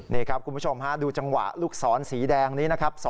นี่ครับคุณผู้ชมฮะดูจังหวะลูกศรสีแดงนี้นะครับ